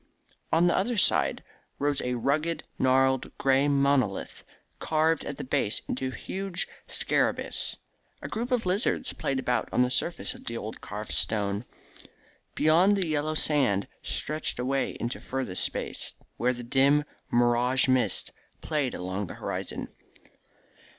On the other side rose a rugged, gnarled, grey monolith, carved at the base into a huge scarabaeus. A group of lizards played about on the surface of the old carved stone. Beyond, the yellow sand stretched away into furthest space, where the dim mirage mist played along the horizon.